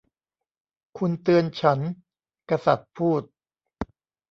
'คุณเตือนฉัน ! ' กษัตริย์พูด